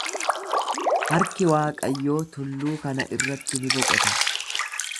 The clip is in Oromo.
Harki Waaqayyoo tulluu kana irratti ni boqota.